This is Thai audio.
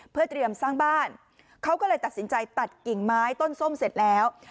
เพื่อเตรียมสร้างบ้านเขาก็เลยตัดสินใจตัดกิ่งไม้ต้นส้มเสร็จแล้ว